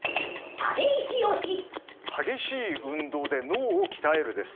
激しい運動で脳を鍛えるです。